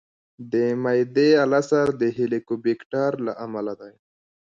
د معدې السر د هیليکوبیکټر له امله دی.